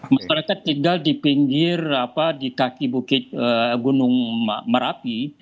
masyarakat tinggal di pinggir di kaki bukit gunung merapi